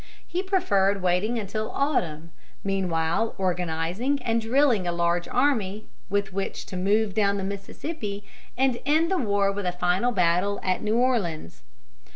He preferred waiting until autumn, meanwhile organizing and drilling a large army, with which to move down the Mississippi and end the war with a final battle at New Orleans.